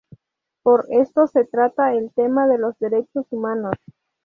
Por esto se trata el tema de los derechos humanos.